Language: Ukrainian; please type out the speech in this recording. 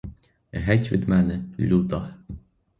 Геть від мене, люта!